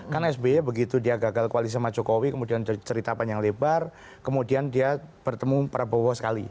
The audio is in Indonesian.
karena sby begitu dia gagal koalisi sama jokowi kemudian cerita panjang lebar kemudian dia bertemu prabowo sekali